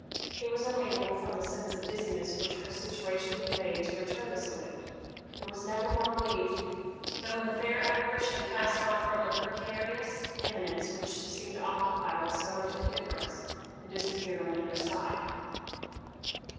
He was unable, from the sense of dizziness which her situation conveyed, to return the salute; and was never more relieved than when the fair apparition passed on from the precarious eminence which she seemed to occupy with so much indifference, and disappeared on the other side.